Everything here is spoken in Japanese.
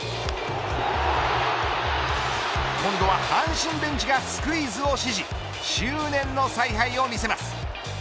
今度は阪神ベンチがスクイズを指示執念の采配を見せます。